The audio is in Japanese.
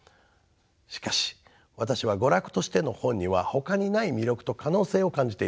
しかし私は娯楽としての本にはほかにない魅力と可能性を感じています。